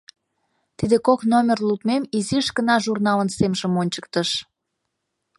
Тиде кок номер лудмем изиш гына журналын семжым ончыктыш.